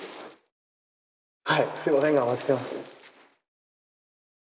はいすみませんがお待ちしてます。